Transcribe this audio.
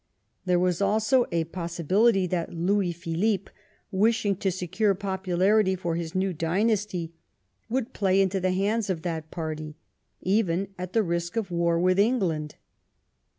There was also a possibility that Louis Philippe, wishing to secure popularity for his new dynasty, would play into the hands of that party, even at the risk of war with England.